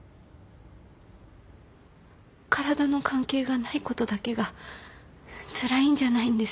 体の関係がないことだけがつらいんじゃないんです。